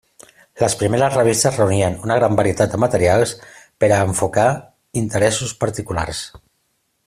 Les primeres revistes reunien una gran varietat de materials per a enfocar interessos particulars.